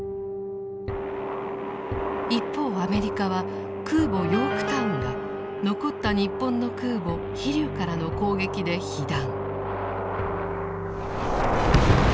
一方アメリカは空母「ヨークタウン」が残った日本の空母「飛龍」からの攻撃で被弾。